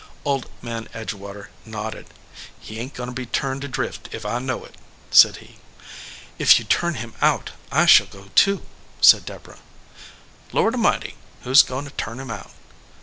Old Man Edgewater nodded. "He ain t goin to be turned adrift if I know it," said he. "If you turn him out I shall go too/ said Deb orah. "Lord A mighty, who s goin* to turn him out?"